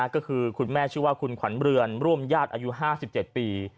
ก็คือคุณแม่ชื่อว่าคุณขวัญเรือนร่วมญาติอายุ๕๗ปี